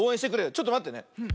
ちょっとまってね。